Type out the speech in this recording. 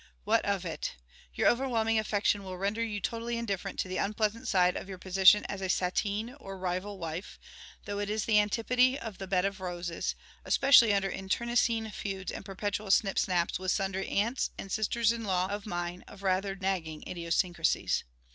What of it? Your overwhelming affection will render you totally indifferent to the unpleasant side of your position as a sateen or rival wife, though it is the antipode of the bed of roses, especially under internecine feuds and perpetual snipsnaps with sundry aunts and sisters in law of mine of rather nagging idiosyncracies.